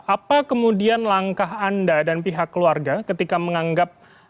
apa kemudian langkah anda dan pihak keluarga ketika menganggap